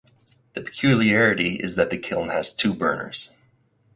The peculiarity is that the kiln has two burners.